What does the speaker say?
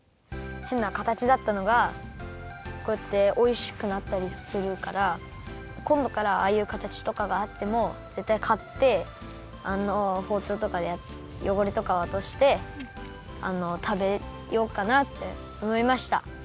変な形だったのがこうやっておいしくなったりするからこんどからはああいう形とかがあってもぜったいかってあのほうちょうとかでよごれとかをおとしてたべようかなっておもいました。